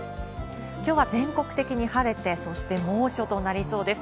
きょうは全国的に晴れて、そして猛暑となりそうです。